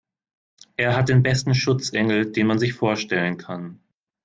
Er hat den besten Schutzengel, den man sich vorstellen kann.